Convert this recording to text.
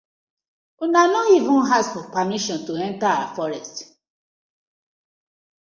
Una no even ask for permission to enter our forest.